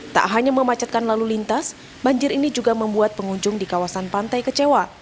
tak hanya memacetkan lalu lintas banjir ini juga membuat pengunjung di kawasan pantai kecewa